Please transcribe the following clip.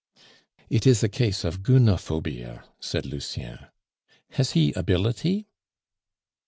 "It is a case of gunophobia," said Lucien. "Has he ability?"